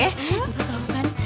lo tau kan